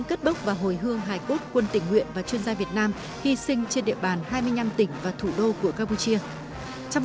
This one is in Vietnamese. cất bốc và hồi hương hài cốt quân tỉnh nguyện và chuyên gia việt nam hy sinh trên địa bàn hai mươi năm tỉnh và thủ đô của campuchia